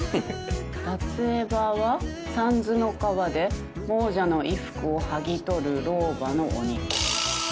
「奪衣婆はさんずの川で亡者の衣服を剥ぎ取る老婆の鬼」